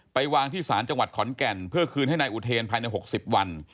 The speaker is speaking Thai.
ไปวางที่ศาลจังหวัดขอนแก่นเพื่อคืนให้นายอุเทนภายใน๖๐วัน